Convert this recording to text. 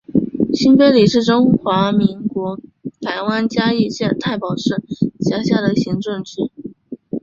新埤里是中华民国台湾嘉义县太保市辖下的行政区。